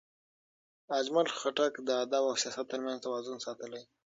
اجمل خټک د ادب او سیاست ترمنځ توازن ساتلی.